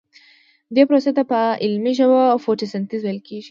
دې پروسې ته په علمي ژبه فتوسنتیز ویل کیږي